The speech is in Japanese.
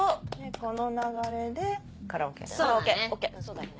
この流れでカラオケだよね？